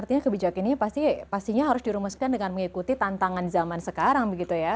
artinya kebijakan ini pastinya harus dirumuskan dengan mengikuti tantangan zaman sekarang begitu ya